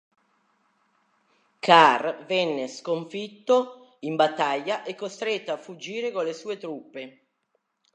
Kar venne sconfitto in battaglia e costretto a fuggire con le sue truppe.